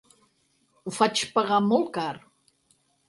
Ho faig pagar molt car.